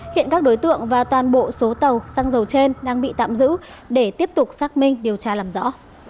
hiện các đối tượng và toàn bộ số tàu xăng dầu trên đang bị tạm giữ để tiếp tục xác minh điều tra làm rõ